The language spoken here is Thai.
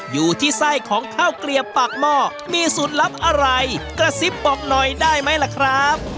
อยู่ที่ไส้ของข้าวเกลียบปากหม้อมีสูตรลับอะไรกระซิบบอกหน่อยได้ไหมล่ะครับ